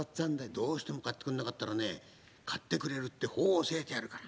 どうしても買ってくれなかったらね買ってくれるって法を教えてやるから。